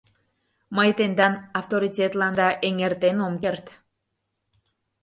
Мый тендан авторитетланда эҥертен ом керт.